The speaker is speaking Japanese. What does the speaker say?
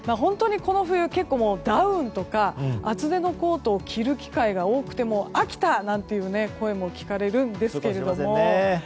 この冬は結構、ダウンとか厚手のコートを着る機会が多くて飽きたなんて声も聞かれるんですけども。